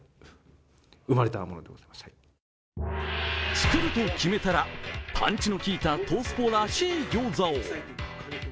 作ると決めたらパンチの効いた「東スポ」らしい餃子を。